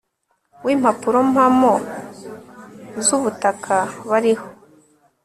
w impapurompamo z ubutaka bariho